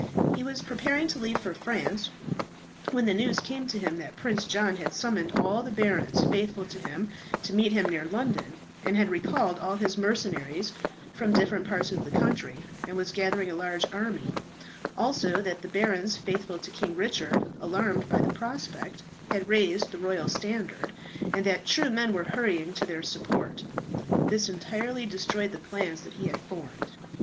He was preparing to leave for France, when the news came to him that Prince John had summoned all the barons faithful to him to meet him near London, and had recalled all his mercenaries from different parts of the country, and was gathering a large army; also, that the barons faithful to King Richard, alarmed by the prospect, had raised the royal standard, and that true men were hurrying to their support. This entirely destroyed the plans that he had formed.